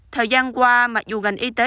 thời gian qua mặc dù ngành y tế